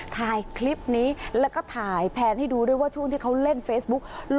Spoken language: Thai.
ถ่ายคลิปนี้แล้วก็ถ่ายแพลนให้ดูด้วยว่าช่วงที่เขาเล่นเฟซบุ๊ก